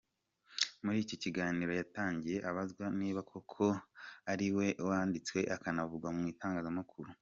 Muri iki kiganiro yatangiye abazwa niba koko ariwe wanditswe akanavugwa mu itangazamakuru.